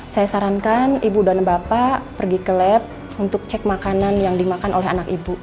saya sarankan ibu dan bapak pergi ke lab untuk cek makanan yang dimakan oleh anak ibu